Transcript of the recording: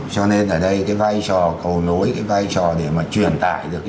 cho nên ở đây cái vai trò cầu nối cái vai trò để mà truyền tải được